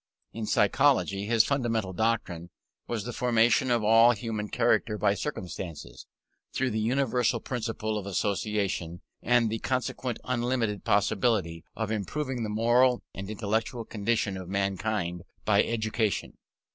In psychology, his fundamental doctrine was the formation of all human character by circumstances, through the universal Principle of Association, and the consequent unlimited possibility of improving the moral and intellectual condition of mankind by education.